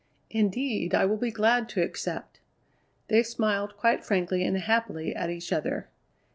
"Indeed, I will be glad to accept." They smiled quite frankly and happily at each other.